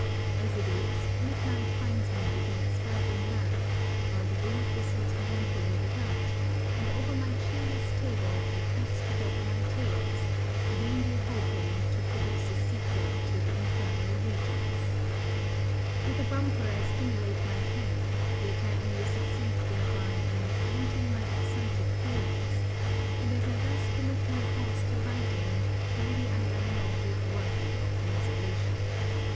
As it is, midnight finds me with an expiring lamp, while the wind whistles mournfully without; and over my cheerless table I piece together my tales, vainly hoping to produce a sequel to the Infernal Regions. With a bumper I stimulate my pen, yet I only succeed thereby in 'venting my excited feelings,' and as I thus commit my thoughts to writing, truly I am an object worthy of commiseration.